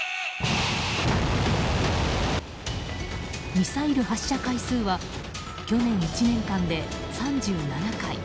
ミサイルの発射回数は去年１年間で３７回。